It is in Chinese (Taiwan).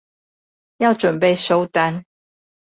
要準備收單